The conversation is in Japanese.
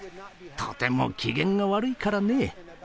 とても機嫌が悪いからね。